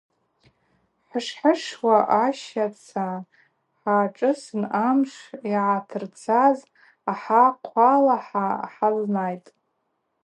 Хӏхӏышхӏышуа ащаца хӏашӏысын амшв ъагӏатырцаз ахӏахъвалахӏа хӏазнайтӏ.